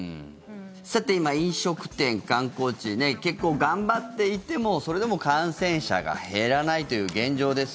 さて、今飲食店、観光地結構、頑張っていてもそれでも感染者が減らないという現状です。